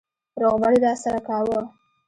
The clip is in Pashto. روغبړ يې راسره کاوه.